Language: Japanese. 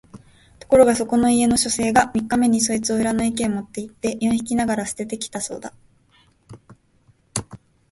ところがそこの家の書生が三日目にそいつを裏の池へ持って行って四匹ながら棄てて来たそうだ